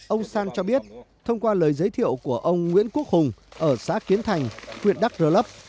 ông san cho biết thông qua lời giới thiệu của ông nguyễn quốc hùng ở xã kiến thành huyện đắk rơ lấp